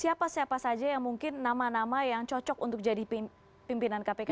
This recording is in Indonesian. siapa siapa saja yang mungkin nama nama yang cocok untuk jadi pimpinan kpk